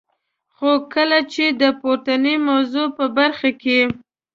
خو کله چي د پورتنی موضوع په برخه کي.